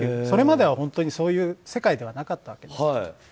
それまではそういう世界ではなかったんです。